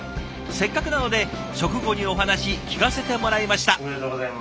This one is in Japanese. せっかくなので食後にお話聞かせてもらいました。